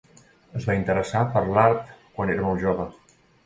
Es va interessar per l'art quan era molt jove.